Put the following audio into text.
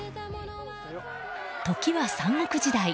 時は三国時代。